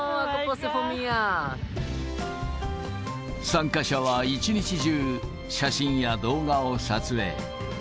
参加者は一日中、写真や動画を撮影。